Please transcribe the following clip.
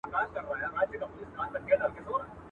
چي پر ټولو پاچهي کوي یو خدای دئ.